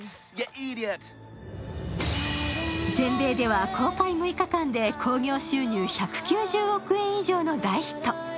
全米では公開６日間で興行収入１９０億円以上の大ヒット。